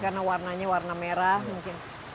karena warnanya warna merah mungkin